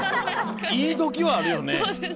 言い時はあるよね。